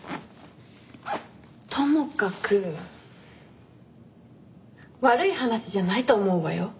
ともかく悪い話じゃないと思うわよ。